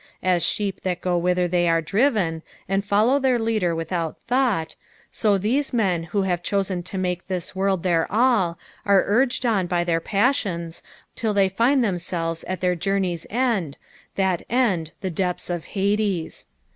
As aheep that go whither Uief are driven, and follow their leader without thought, an these men who hare chosen to make this world their all, are urged on bj their passions, till the^ find tbemielves at their journey's end. that end the depths of Hadea.